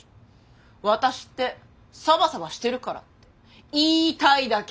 ワタシってサバサバしてるからって言いたいだけ！